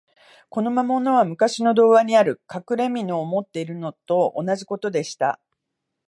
この魔物は、むかしの童話にある、かくれみのを持っているのと同じことでした。